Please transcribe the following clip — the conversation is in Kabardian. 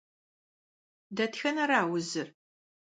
Дэтхэнэра узыр?